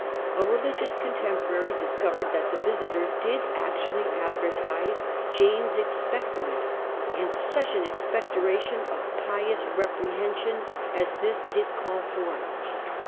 A religious contemporary discovered that the Visiter did actually advertise " Jayne's Expectorant," and such an expectoration of pious reprehension as this did call forth!